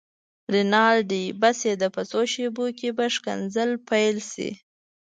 رینالډي: بس یې ده، په څو شېبو کې به ښکنځل پيل شي.